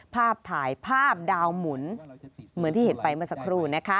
ภาพถ่ายภาพดาวหมุนเหมือนที่เห็นไปเมื่อสักครู่นะคะ